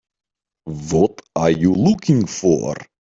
What are you looking for?